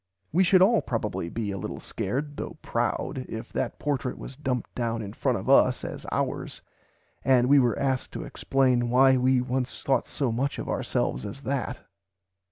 We should probably all be a little scared (though proud) if that portrait was dumped down in front of us as ours, and we were asked to explain why we once thought so much of ourselves as that.